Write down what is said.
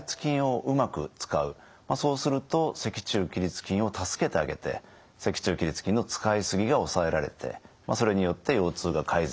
まあそうすると脊柱起立筋を助けてあげて脊柱起立筋の使い過ぎが抑えられてそれによって腰痛が改善される。